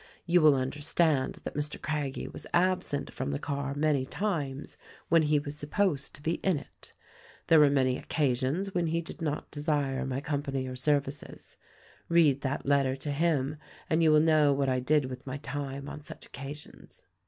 You will understand that Mr. Craggie was absent from the car many times when he was supposed to be in it. There were many occasions when he did not desire my company or services. Read that letter to him and you will know what I did with my time on such occasions.